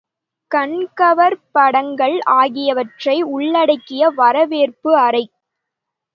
கண்கவர் படங்கள் ஆகியவற்றை உள்ளடக்கிய வரவேற்பு அறை.